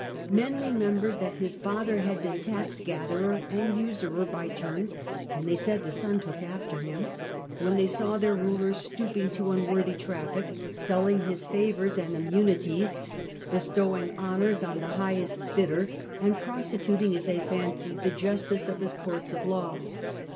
Men remembered that his father had been taxgatherer and usurer by turns, and they said the son took after him, when they saw their ruler stooping to unworthy traffic, selling his favours and immunities, bestowing honours on the highest bidder, and prostituting, as they fan cied, the justice of his courts of law.